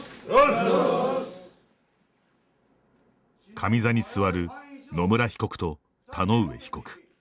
上座に座る野村被告と田上被告。